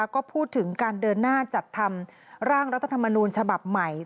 ก็พูดถึงการเดินหน้าจัดทำร่างรัฐธรรมนูญฉบับใหม่